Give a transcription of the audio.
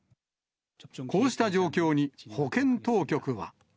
こうした状況に、保健当局は。